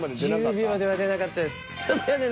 １０秒では出なかったです。